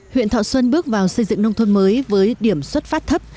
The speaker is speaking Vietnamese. huyện thọ xuân bước vào xây dựng nông thôn mới với điểm xuất phát thấp